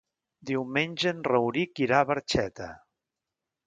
Diumenge en Rauric irà a Barxeta.